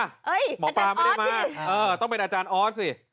เฮ้ยอาจารย์ออสสิหมอปลาไม่ได้มาต้องเป็นอาจารย์ออสสิ